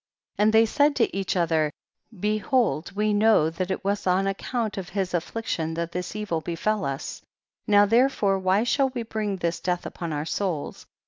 49. And they said to each other, behold we know that it was on ac count of his affliction that this evil befel us ; now therefore why shall we bring this death upon our souls